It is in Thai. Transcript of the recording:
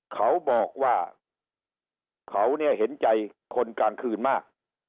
เขาบอกว่าเขาเนี่ยเห็นใจคนกลางคืนมาก